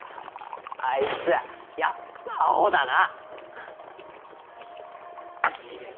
あいつやっぱアホだな。